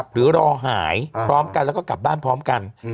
หรือรอหายพร้อมกันแล้วก็กลับบ้านพร้อมกัน